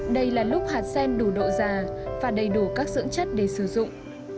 đây là lúc hạt sen đủ độ già và đầy đủ các dưỡng chất để sử dụng